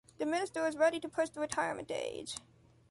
The minister is ready to push the retirement age.